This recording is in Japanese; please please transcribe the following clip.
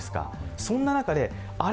そんな中で、あれ？